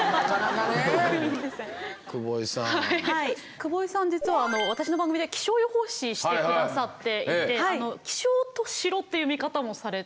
久保井さん実は私の番組で気象予報士して下さっていて気象と城という見方もされて。